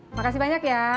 makasih banyak ya